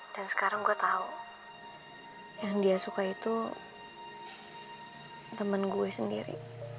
dan sekarang gue tau yang dia suka itu temen gue sendiri